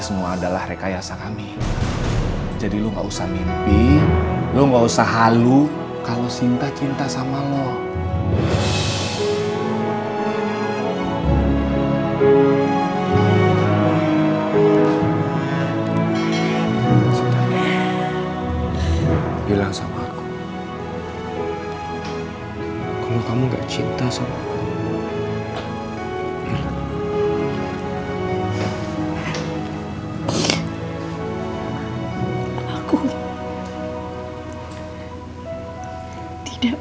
sumpah mati kau urusak jiwaku saat ini